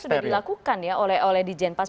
itu sebenarnya kan sudah dilakukan ya oleh di jenpas